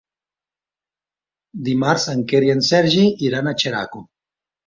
Dimarts en Quer i en Sergi iran a Xeraco.